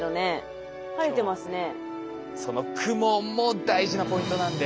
その雲も大事なポイントなんで。